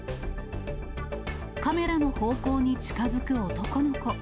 カメラの方向に近づく男の子。